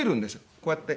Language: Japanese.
こうやって。